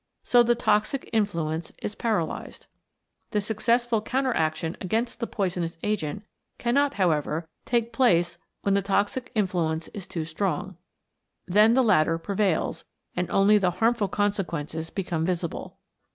So the toxic in fluence is paralysed. The successful counter action against the poisonous agent cannot, however, take place when the toxic influence is too strong. 126 CHEMICAL ACTIONS: PROTOPLASM Then the latter prevails, and only the harmful consequences become visible.